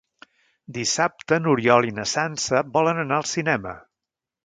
Dissabte n'Oriol i na Sança volen anar al cinema.